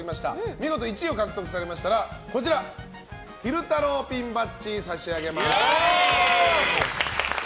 見事１位を獲得されましたら昼太郎ピンバッジを差し上げます。